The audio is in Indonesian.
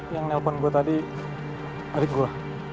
yang nelfon gua tadi adik gua